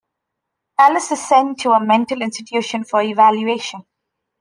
Alice is sent to a mental institution for evaluation.